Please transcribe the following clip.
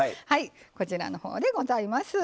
こちらのほうでございます。